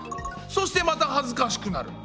そしてまたはずかしくなる。